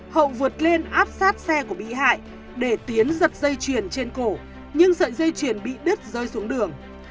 hậu vượt lên áp sát xe của bị hại để tiến giật dây chuyền trên cổ nhưng sợi dây chuyền bị đứt rơi xuống đường